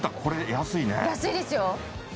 安いですよ。